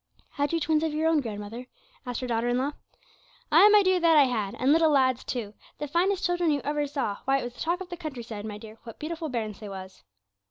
'Had you twins of your own, grandmother?' asked her daughter in law. 'Ay, my dear, that I had, and little lads, too the finest children you ever saw; why, it was the talk of the country side, my dear, what beautiful bairns they was.'